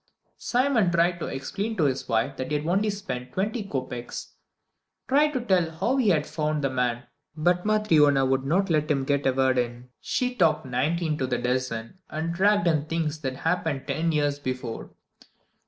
Simon tried to explain to his wife that he had only spent twenty kopeks; tried to tell how he had found the man but Matryona would not let him get a word in. She talked nineteen to the dozen, and dragged in things that had happened ten years before.